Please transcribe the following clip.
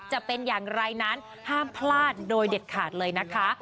จะเป็นอย่างไรนั้นห้ามพลาดโดยเด็ดขาดเลยนะคะ